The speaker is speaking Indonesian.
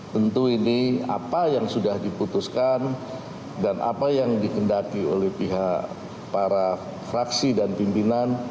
tentu ini apa yang sudah diputuskan dan apa yang dikendaki oleh pihak para fraksi dan pimpinan